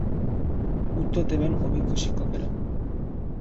উত্তর দেবেন অভিজ্ঞ শিক্ষকেরা।